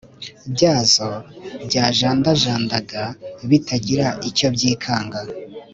byazo byajandajandaga bitagira icyo byikanga